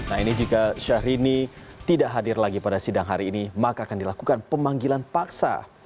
nah ini jika syahrini tidak hadir lagi pada sidang hari ini maka akan dilakukan pemanggilan paksa